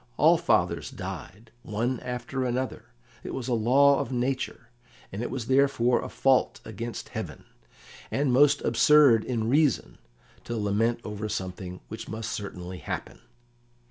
All fathers died, one after another; it was a law of nature, and it was therefore a fault against heaven, and most absurd in reason, to lament over something which must certainly happen.